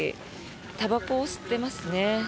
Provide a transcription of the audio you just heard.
たばこを吸っていますね。